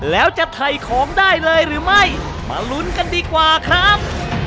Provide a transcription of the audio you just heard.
แล้วจะถ่ายของได้เลยหรือไม่มาลุ้นกันดีกว่าครับ